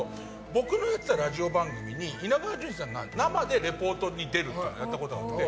僕のやってたラジオ番組に稲川淳二さんが生でレポートに出るっていうのやったことがあって。